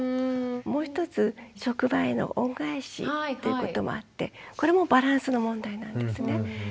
もう一つ職場への恩返しっていうこともあってこれもバランスの問題なんですね。